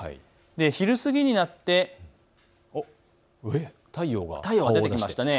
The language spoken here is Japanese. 昼過ぎになって太陽が出てきましたね。